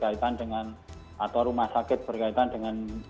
atau rumah sakit berkaitan dengan